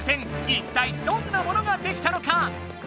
いったいどんなものができたのか？